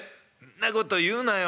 「んなこと言うなよ。